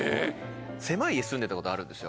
住んでたことあるんですよ